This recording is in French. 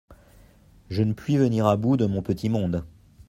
Je ne puis venir à bout de mon petit monde.